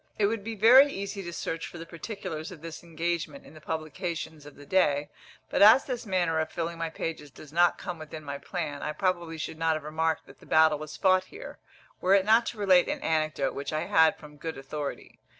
It would be very easy to search for the particulars of this engagement in the publications of the day; but as this manner of filling my pages does not come within my plan, I probably should not have remarked that the battle was fought here, were it not to relate an anecdote which I had from good authority.